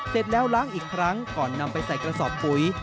เสร็จแล้วล้างอีกครั้งก่อนนำไปใส่กระสอบปุ๋ย